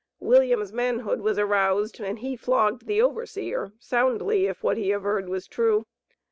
William's manhood was aroused, and he flogged the overseer soundly, if what he averred was true.